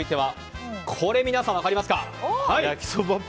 これ皆さん、分かりますか？